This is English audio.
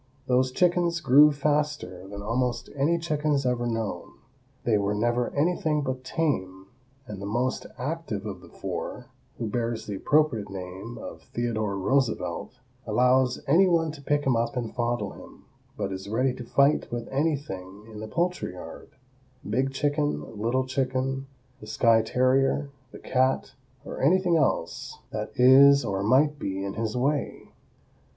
Those chickens grew faster than almost any chickens ever known. They were never anything but tame, and the most active of the four, who bears the appropriate name of Theodore Roosevelt, allows any one to pick him up and fondle him, but is ready to fight with anything in the poultry yard—big chicken, little chicken, the skye terrier, the cat or anything else that is or might be in his way.